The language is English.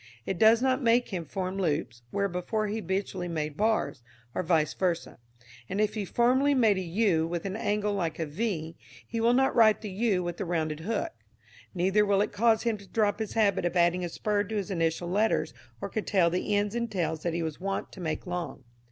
It does not make him form loops where before he habitually made bars, or vice versâ, and if he formerly made a u with an angle like a v he will not write the u with a rounded hook. Neither will it cause him to drop his habit of adding a spur to his initial letters or curtail the ends and tails that he was wont to make long.